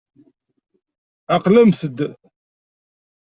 Ɛeqlemt-d.